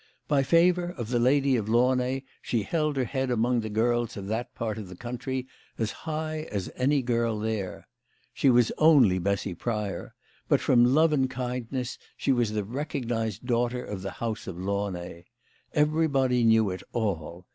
By favour of the Lady of Launay she held her head among the girls of that part of the country as high as any girl there. She was only Bessy Pryor ; but, from love and kind ness, she was the recognised daughter of the house of Launay. Everybody knew it all.